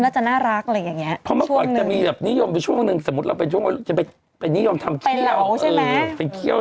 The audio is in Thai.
จะดูน่ารักฮิตเขี้ยว